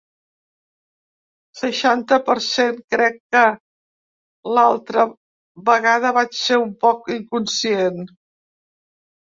Seixanta per cent Crec que l’altra vegada vaig ser un poc inconscient.